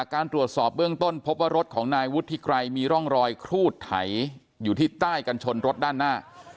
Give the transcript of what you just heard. การตรวจสอบเบื้องต้นพบว่ารถของนายวุฒิไกรมีร่องรอยครูดไถอยู่ที่ใต้กันชนรถด้านหน้า